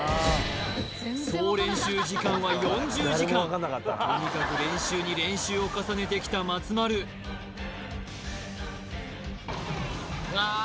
総練習時間は４０時間とにかく練習に練習を重ねてきた松丸わあ